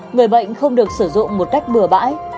người bệnh không được sử dụng một cách bừa bãi